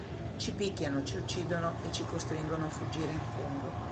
Ci picchiano, ci uccidono e ci costringono a fuggire in Congo.”